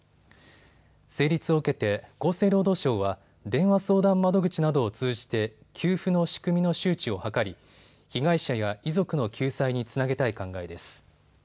成立を受けて厚生労働省は電話相談窓口などを通じて給付の仕組みの周知を図り被害者や遺族の救済につなげたい考えです。